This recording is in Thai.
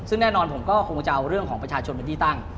ซึ่งแน่นอนผมก็คงจะเอาเรื่องของประชาชนเป็นที่ตั้ง